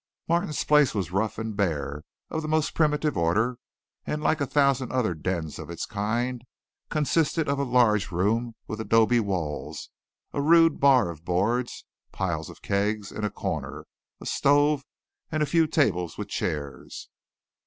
Martin's place was rough and bare, of the most primitive order, and like a thousand other dens of its kind, consisted of a large room with adobe walls, a rude bar of boards, piles of kegs in a corner, a stove, and a few tables with chairs.